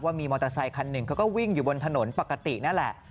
มีมอเตอร์ไซคันหนึ่งเขาก็วิ่งอยู่บนถนนปกตินั่นแหละ